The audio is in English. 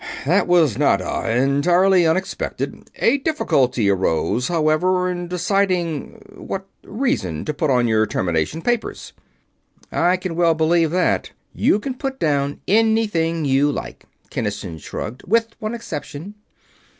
"That was not ... uh ... entirely unexpected. A difficulty arose, however, in deciding what reason to put on your termination papers." "I can well believe that. You can put down anything you like," Kinnison shrugged, "with one exception.